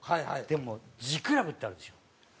でも地クラブってあるでしょ？